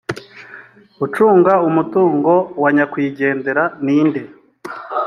ucunga umutungo wa nyakwigendera ni nde?